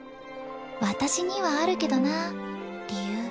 私にはあるけどな理由。